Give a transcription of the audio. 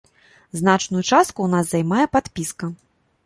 Значную частку ў нас займае падпіска.